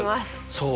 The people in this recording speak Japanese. そう？